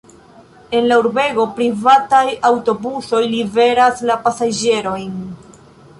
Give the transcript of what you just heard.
En la urbego privataj aŭtobusoj liveras la pasaĝerojn.